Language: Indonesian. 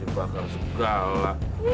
apa ya tamu adalah